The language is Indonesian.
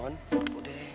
nol apa udah